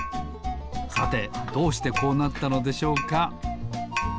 さてどうしてこうなったのでしょうか？